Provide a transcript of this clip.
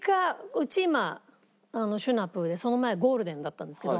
今シュナプーでその前ゴールデンだったんですけど。